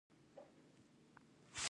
ډيپلومات د هېواد د بهرني سیاست استازی دی.